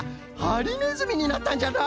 ハリネズミになったんじゃな。